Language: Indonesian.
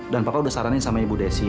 dan bapak udah saranin sama ibu desi